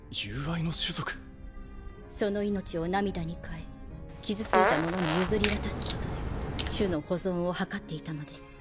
その命を涙に変え傷ついた者に譲り渡すことで種の保存を図っていたのです。